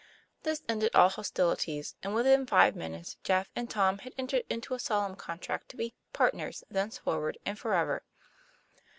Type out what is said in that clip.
This ended all hostilities; and within five minutes Jeff and Tom had entered into a solemn contract to be " partners " thenceforward and forever.